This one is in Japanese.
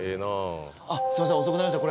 すいません遅くなりました